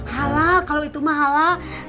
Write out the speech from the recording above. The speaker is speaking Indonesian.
halal kalau itu mahala